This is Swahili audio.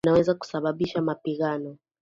Ambazo zinaweza kusababisha mapigano.